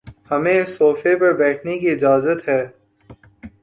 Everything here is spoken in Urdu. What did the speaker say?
ہمیں اس صوفے پر بیٹھنے کی اجازت ہے